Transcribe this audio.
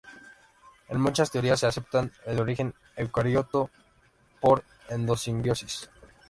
En muchas teorías se acepta el origen eucariota por endosimbiosis.